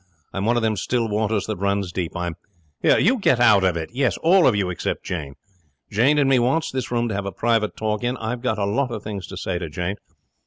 I'm one of them still waters that runs deep. I'm Here, you get out of it! Yes, all of you! Except Jane. Jane and me wants this room to have a private talk in. I've got a lot of things to say to Jane.